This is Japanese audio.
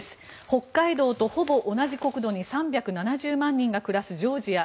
北海道とほぼ同じ国土に３７０万人が暮らすジョージア。